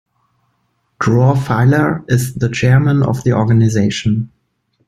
Dror Feiler is the chairman of the organization.